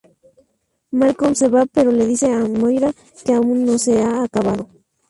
Malcolm se va pero le dice a Moira que aún no se ha acabado.